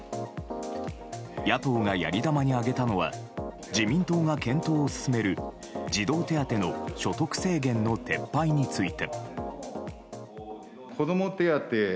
野党がやり玉に挙げたのは自民党が検討を進める児童手当の所得制限の撤廃について。